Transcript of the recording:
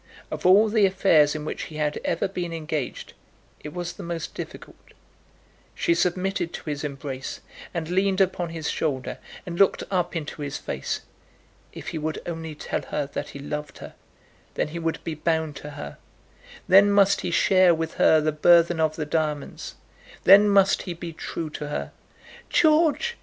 Of all the affairs in which he had ever been engaged, it was the most difficult. She submitted to his embrace, and leaned upon his shoulder, and looked up into his face. If he would only tell her that he loved her, then he would be bound to her, then must he share with her the burthen of the diamonds, then must he be true to her. "George!"